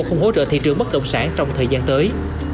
không hỗ trợ thị trường bất động sản trong thời gian tới